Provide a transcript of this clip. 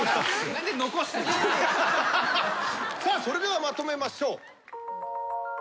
それではまとめましょう。